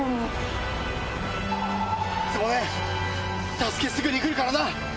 助けすぐに来るからな。